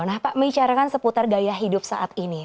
nah pak membicarakan seputar gaya hidup saat ini